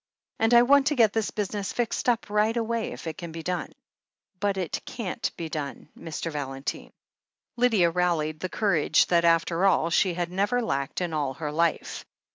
And I want to get this business fixed up right away if it can be done." "But it can't be done, Mr. Valentine." Lydia rallied the courage that, after all, she had never lacked in all her life.